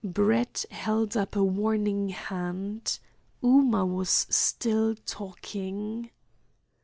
Brett held up a warning hand. Ooma was still talking.